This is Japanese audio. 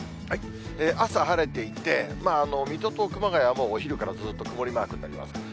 朝晴れていて、水戸と熊谷はもうお昼からずっと曇りマークになります。